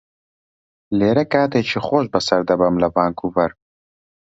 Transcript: لێرە کاتێکی خۆش بەسەر دەبەم لە ڤانکوڤەر.